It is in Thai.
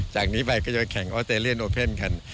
จากนี้ไปก็จะไปแข่งออเตเรียนโอเปิน